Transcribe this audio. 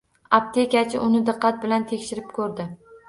Aptekachi uni diqqat bilan tekshirib ko`rdi